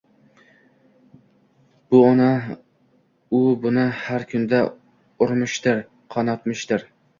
Bu uni, u buni har kunda urmishdir, qonatmishdir